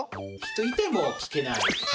人いても聞けない。